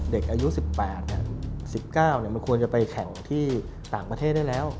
เด็กอายุ๑๘๑๙มันควรจะไปแข่งที่ต่างประเทศได้แล้ว